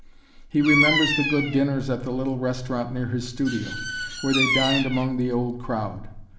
He remembers the good dinners at the little restaurant near his studio, where they dined among the old crowd.